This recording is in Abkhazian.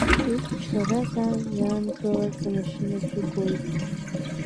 Иқәчаразаан иаангылаз амашьына абжьы гоит.